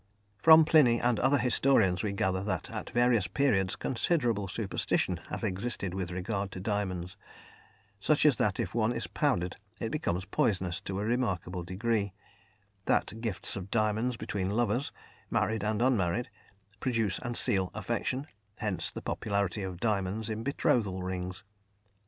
From Pliny and other historians we gather that at various periods considerable superstition has existed with regard to diamonds, such as that if one is powdered it becomes poisonous to a remarkable degree; that gifts of diamonds between lovers married and unmarried produce and seal affection; hence the popularity of diamonds in betrothal rings.